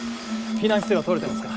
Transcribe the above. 避難姿勢は取れてますか？